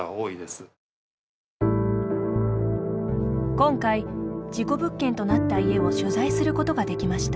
今回、事故物件となった家を取材することができました。